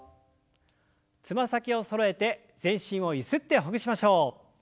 つま先をそろえて全身をゆすってほぐしましょう。